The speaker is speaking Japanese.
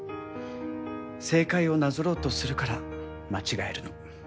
正解をなぞろうとするから間違えるの。